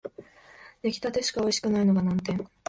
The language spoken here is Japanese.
出来立てしかおいしくないのが難点